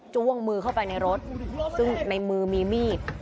้วงมือเข้าไปในรถซึ่งในมือมีมีด